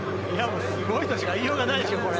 すごいとしか言いようがないですよ。